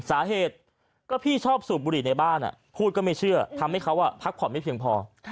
สาเหตุก็พี่ชอบสูบบุหรี่ในบ้านพูดก็ไม่เชื่อทำให้เขาพักผ่อนไม่เพียงพอ